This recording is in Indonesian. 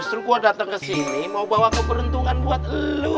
setelah gua datang kesini mau bawa keberuntungan buat lu